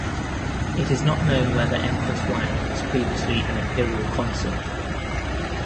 It is not known whether Empress Wang was previously an imperial consort.